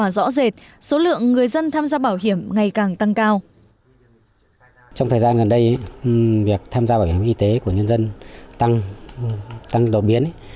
trong thời gian gần đây việc tham gia bảo hiểm y tế của nhân dân tăng đột biến